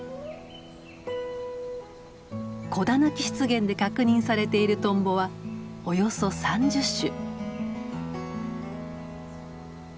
小田貫湿原で確認されているトンボはおよそ３０種。